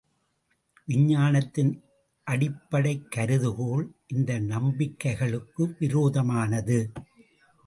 விஞ்ஞானத்தின் அடிப்படைக் கருதுகோள் இந்த நம்பிக்கைகளுக்கு விரோதமானது.